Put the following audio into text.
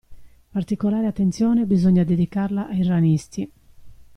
Particolare attenzione bisogna dedicarla ai ranisti.